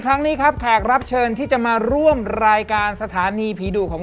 ครั้งนี้ครับแขกรับเชิญที่จะมาร่วมรายการสถานีผีดุของเรา